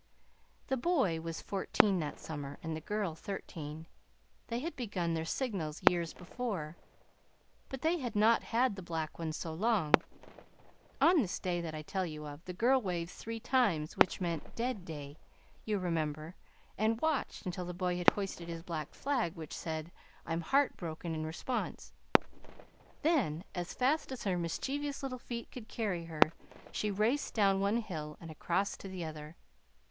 "The boy was fourteen that summer, and the girl thirteen. They had begun their signals years before, but they had not had the black one so long. On this day that I tell you of, the girl waved three waves, which meant, 'Dead Day,' you remember, and watched until the boy had hoisted his black flag which said, 'I'm heart broken,' in response. Then, as fast as her mischievous little feet could carry her, she raced down one hill and across to the other.